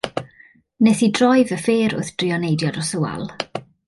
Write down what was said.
Wnes i droi fy ffêr wrth drio neidio dros y wal.